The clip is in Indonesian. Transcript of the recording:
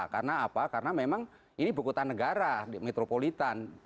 karena apa karena memang ini bukutan negara metropolitan